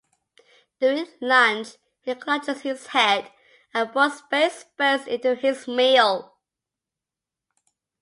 During lunch, he clutches his head and falls face first into his meal.